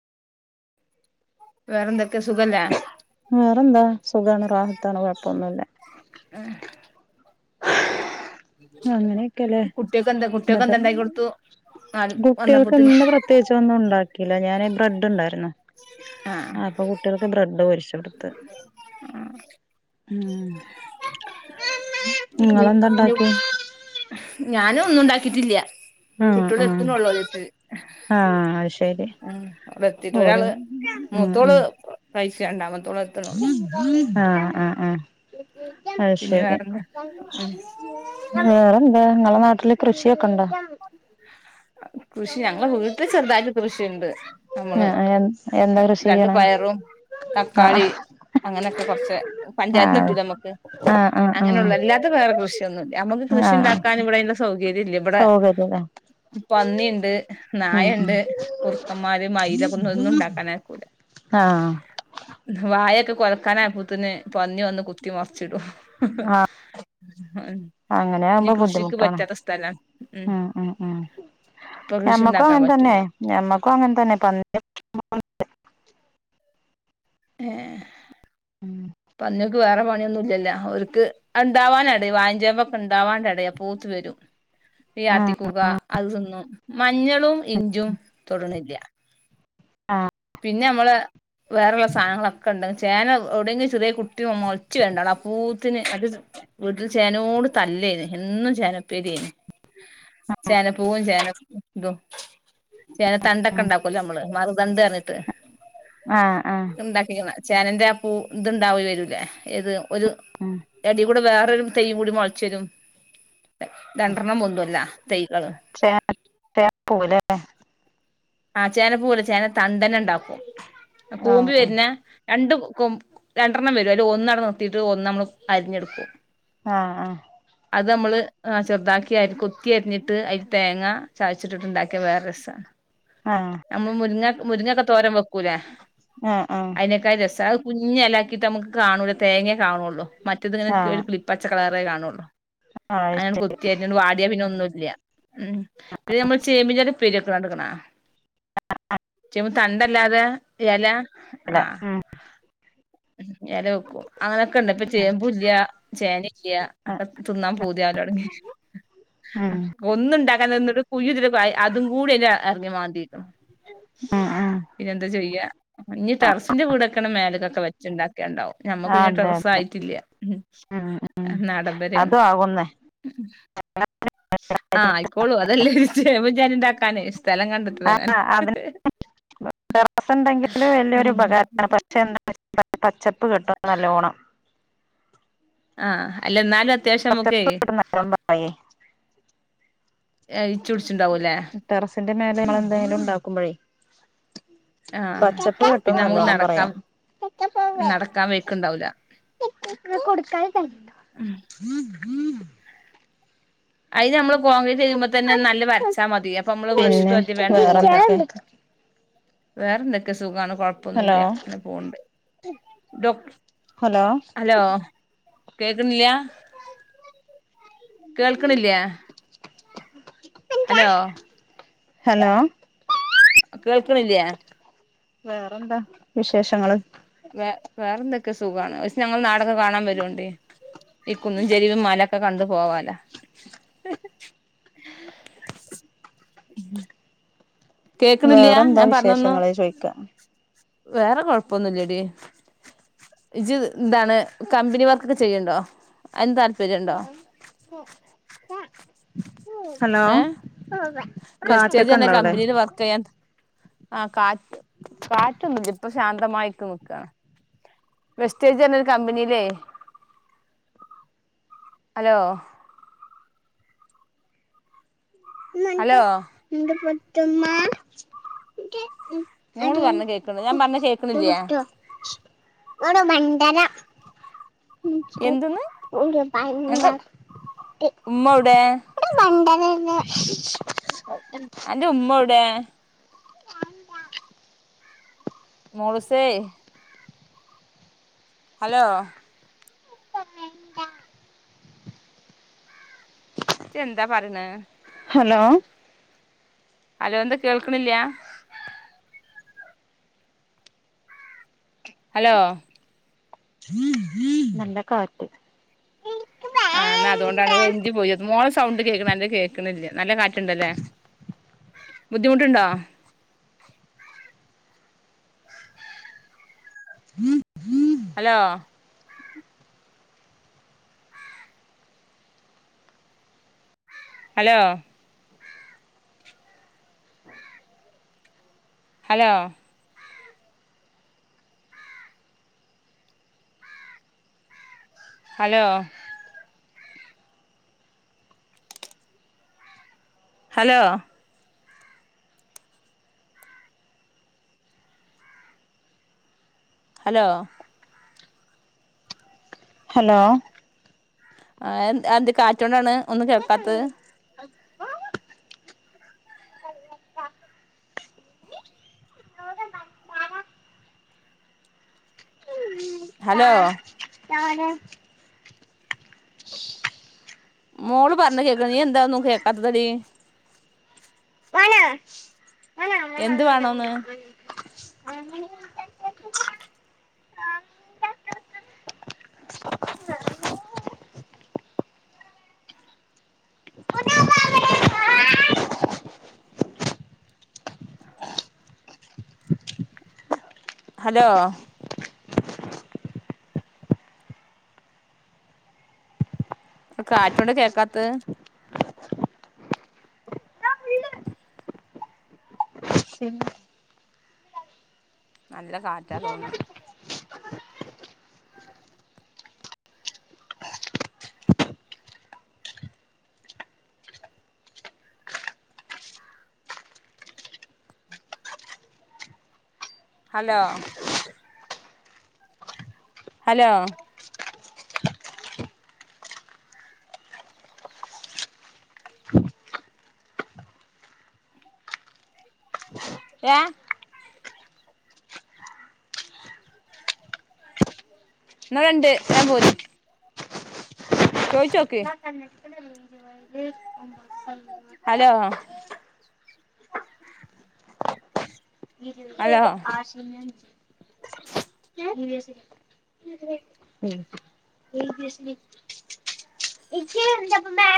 വേറെ എന്തൊക്കെ സുഖല്ല വേറെന്താ സുഖമാണ് രാഹത്താണ് കുഴപ്പൊന്നുമല്ല അങ്ങനെയൊക്കെല്ലേ കുട്ടികൾക്ക് എന്താ കുട്ടികൾക്ക് എന്താ ഉണ്ടാക്കി കൊടുത്തു നാല് വന്നപ്പോത്തിന് കുട്ടികൾക്ക്ന്ന് പ്രത്യേകിച്ച് ഒന്നും ഉണ്ടാക്കില്ല ഞാന് ബ്രെഡ് ഉണ്ടായിുന്ന ആഹ് അപ്പൊ കുട്ടികൾക്ക് ബ്രെഡ് പരി ച്ചവിടുത്ത് ഉ നിങ്ങളെന്താണ്ടാക്കി ഞാനും ഒന്നും ഉണ്ടാക്കിയിട്ടില്ല കുട്ടികൾ ഉം എത്തുന്നുള്ളോ ആഹ് അത് ശരി അ അടെ എത്തിട്ട ഓര് ഒരാള് ഉം മൂത്തോള് പൈസ ഉണ്ടാവുന്നത് ഉം ആഹ ആഹ ആഹ അത് പിന്നെ ശരി വേറെന്താ ഉം വേറെന്താങ്ങളെ നാട്ട കൃഷിയ ക്കണ്ടാ കൃഷി ഞങ്ങളെ വീട്ടിൽ ചെറുതായിട്ട് കൃഷിയുണ്ട് നമ്മള് ആഹ് എന്താ കൃഷി രണ്ട് ചെയ്യണേ പയറും ആഹ് തക്കാളി അങ്ങനെയൊക്കെ കുറച്ച് പഞ്ചായത്തി ആഹ് ഇട്ടൂ നമുക്ക് ആഹ് ആഹ് അങ്ങനെയുള്ള ആഹ് എല്ലാത്ത വേറെ കൃഷി റ്റൊന്നുമല്ല നമ്മക്ക് കൃഷി ആഹ് ഉണ്ടാക്കൻ ഇവിടെതിുള്ള സൗകര്യം ഇല്ല ഇവിടെ സൗകര്യല്ലേ പന്നിുണ്ട് ഉം ഉം നായുണ്ട് കുറുക്കന്മാര് മയിലകുന്നതൊന്നും ഉണ്ടാക്കാന ആക്കൂല ആഹ് നായൊക്കെ കൊരക്കാന ആപ്പോത്തന്ന പന്നി വന്നു കുത്തി മ ച്ചിടും ആഹ് അങ്ങനെ ഇനി ആകുമ്പോ കൃഷിക്ക് ബുദ്ധിമുട്ടാണ് പറ്റാത്ത സ്ഥലം ഉം ഉം ഉം കൃഷി മ്മക്കും ഉണ്ടാക്കാൻ അങ്ങനെ തന്നെ പറ്റൂല മ്മക്കും അങ്ങനെ തന്നെ പന്ന ഹ പന്നിയക്ക് വേറെ വ അങ്ങനൊന്നുമല്ല അവർക്ക് ഉണ്ടാവാനട വായ്ചേമ്പ ഒക്കെ ഉണ്ടാവാൻടയാ പൂത്ത് വരും ആഹ് വ്യാത്തിക്കുക അതൊന്നും മഞ്ഞളും ഇഞ്ചും തൊടന്നില്ല ആഹ പിന്നെ നമ്മള് വേറെള്ള സാധനങ്ങളൊക്കെ ഉണ്ട് ചേന ഒടങ്ങി ചെറിയ കുട്ടിയമ്മ ഒളച്ചു വേണ്ടള ആ പൂത്തിന് അത് വീട്ടിൽ ചേനയോട് തല്ലായിു എന്നും ചേനപ്പേരിന് ചേനപ്പൂവും ചേന ഇതും ചേന തണ്ടൊക്കെ ഉണ്ടാക്കല്ലോ നമ്മള് മറതണ്ട് പറിട്ട് ആഹ് ആഹ് ആഹ് ഉണ്ടാക്കണ ചേനന്റെ ആപ്പോ ഇതുണ്ടാവ വരില്ലേ ഇഏത് ഒരു ഉം എടി കൂടെ വേ രു തയ്യും കൂടി മുളച്ചരും രണ്ടെണ്ണം പൊന്തൊല്ല ചേ ചേപ്പൂലേ ആ ചേനപ്പൂല ചേന തണ്ടന്നെ ഉണ്ടാക്കും ആഹ് കൂമ്പി വരുന്ന രണ്ട കൊ രണ്ടെണ്ണം വരും അല്ല ഒന്നട നിർത്തിയിട്ട് ഒന്ന് നമ്മള് അരിഞ്ഞെടുക്കും ആഹ ആഹ അത് നമ്മള് ചെറുതാക്കി അതിൽ കൊത്തി അരിഞ്ഞിട്ട് അതിൽ തേങ്ങ ചച്ചിട്ടിട്ട് ഇണ്ടാക്കിയ വേറെ രസമാണ് ആഹ് നമ്മ മുരുങ്ങ മുരിങ്ങൊക്കെ തോരം വെക്കൂലേ ആഹ് ആഹ് ആഹ് അയിനെ കായ ദസാ കുഞ്ഞഞ്ലാക്കിയിട്ട് നമുക്ക് കാണൂല തേങ്ങ കാണുള്ളോ മറ്റ ഇങ്ങനെ ആഹ് ഒരുളിപ്പച്ച കള കുേ കാണുള്ളൂ ആഹ് അങ്ങഞൻ കൊത്തിയ വാടിയ പിന്നെ ഒന്നുല്ല ഉം പിന്നെ നമ്മള് ചേമ്പച പര്ക്ക എടുക്കണ തണ്ടല്ലാതെ ഇല ശരിയല്ലേ ആഹ ഉം വല വെക്കും അങ്ങനെയൊക്കെ ഉണ്ട് ഇപ്പ ചേമ്പല്ല ചേനല്ല ഒക്കെ തിന്നാൻ പോതിയലോടങ്ങി ഉം ഉം ഒന്ന ഇണ്ടാക്ക ഒന്ന കുയു അതും കൂടി എെ അറങ്ങി മാ ഉം പിന്നെെന്താ ചെയ്യാ ഇനി ടെറസിന്റെ കീടൊക്കെ മേലക്കൊക്കെ വെച്ചുണ്ടാക്കേണ്ടാവും ഞമ്മക്ക് ഇന്ന അതെ ടറസ് ഉം ആയിട്ടില്ലാഡംബരയാണ് അതും ആകുന്നേ ആഹ ആയിക്കോളു അതല്ലാം ഇഞാനൻണ്ടാക്ക ക ആഹ അതിസം ഉണ്ടെങ്കില് വലിയരു ഉം ഉപകാരമാണ് പക്ഷെ എന്താ പച്ചപ്പ് കിട്ടും നല്ലവോണം ആഹ് അല്ല നാല അത്യാവശ്യംൊക്കെ പച്ചപ്പ് കിട്ടും നല്ലോണം പറയേ ടെറസിന്റെ മേഖക എന്തെങ്കിലും ഉണ്ടാക്കുമ്പഴേ ആ പച്ചത്ത കിട്ടും പിന്നെ നമുക്ക് നല്ലോണം പറയാ നടക്കാൻ നടക്കാൻ വയ്ക്ക്ണ്ടാവൂല അതിത് നമ്മള് കോൺക്രീറ്റ് കഴ്യുമ്പോ തന്നെ നല്ല വരച്ചാൽ മതി അപ്പൊ നമ്മള് വൃഷിട്ട് പിന്നെ മദ്യ വേൻ പോവല്ലോ വേറെന്തൊക്കെ വേറെ എന്തൊക്കെ സുഖണും ഹലോ കൊഴപ്പൊന്നുംല്ല അങ്ങനെ പോണ്ട്ോ ഹലോ ഹലോ കേക്കുന്നല്ലിയാ കേൾക്കണില്ല ഹലോ ഹലോ കേൾക്കണില്ലേ വേറെന്താ വിശേഷങ്ങള് വേ വേറെന്തൊക്കെ സുഖ പക്ഷെ ഞങ്ങൾ നാടൊക്കെ കാണാൻ വരുംണ്ടേ ഈ കുന്നുംചേരി മല ഒക്കെ കണ്ടു പോവാല വേറെന്താ വിശേഷങ്ങളെ ചോയ്ിക്കാ വേറെ കൊഴപ്പൊന്നുമല്ലടി ഇത് എന്താണ് കമ്പനി വർക്ക്ൊക്കെ ചെയ്യണ്ടോ അതിന് താല്ം ആ ആ ഹലോ ഏഹ് വെസ്റ്റേജ് കാറ്റക്കെ പറഞ്ഞ ഉണ്ടോ അവിടെ കമ്പനിയില് വർക്ക് ചെയ്യാൻ ആ കാ കാറ്റൊന്നല്ല ഇപ്പൊ ശാന്തമായിരിക്ക നക്ക വെസ്റ്റേജന്നരു കമ്പനില്ലേ ഹലോ നക്ക് ഹലോ ത്മ ഉ മോള് പറഞ്ഞ കേക്കണ് ഞാൻ പറഞ്ഞ കേക്കണില്ലേ അതട്ടട്ടോ മണ്ടന ഇ എന്തെന്ന് ഒരുപണ്ടണ്ട എന്താ ഉമ്മ എവിടെ അ അന്റെ ഉമ്മോടെ മഴസേ ഹലോ ച എന്താ പറണ് ഹലോ അലോ എന്താ കേൾക്കണില്ല ഹലോ ഉ നല്ല കാത്ത് ആ്ാ അതുകൊണ്ടാണ് ഒരു എഞ്ചി പോയിത് മോളം സൗണ്ട് കേൾക്കണന്റെ കേക്ക ുന്നില്ലേ നല്ല കാറ്റുണ്ടല്ലേ ബുദ്ധിമുട്ടുണ്ടോ ഹലോ ഹലോ ഹലോ ഉ hello hello hello hello hello ആ അത് കാറ്റൊണ്ടാണ് ഒന്നും കേൾക്കാത്തത് ഹലോ മോള് പറന കേക്കണ എന്ത ഒന്ന കേേക്കത്ത തടി എന്ത് വേണോന്ന് ഹലോ കാറ്റോണ്ട് കേക്കാത്ത നല്ല കാറ്റാ തോന്നട ഹലോ ഹലോ ഏ എന്നാ രണ്ട് ഞ പോര് ചോയ് ചോക്ക [unintelligible] [unintelligible] ഹലോ [unintelligible] ഇജ്ജ് ഹലോ ഓടെ ആഷിമെ [inaudible] ഇജ്ജ് എന്താപ്പോ മേ